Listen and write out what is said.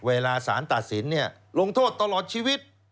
เวลาสารตัดสินลงโทษตลอดชีวิต